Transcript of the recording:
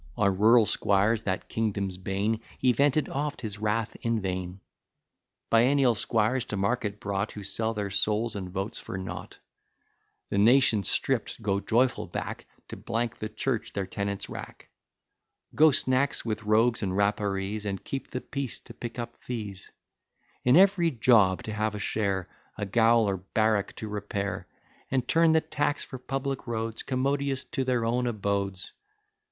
On rural squires, that kingdom's bane, He vented oft his wrath in vain; [Biennial] squires to market brought; Who sell their souls and [votes] for nought; The [nation stripped,] go joyful back, To the church, their tenants rack, Go snacks with [rogues and rapparees,] And keep the peace to pick up fees; In every job to have a share, A gaol or barrack to repair; And turn the tax for public roads, Commodious to their own abodes.